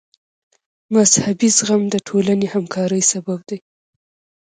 مذهبي زغم د ټولنې همکارۍ سبب دی.